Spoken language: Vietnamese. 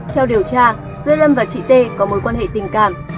theo điều tra giữa lâm và chị t có mối quan hệ tình cảm